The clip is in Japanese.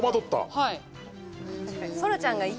はい。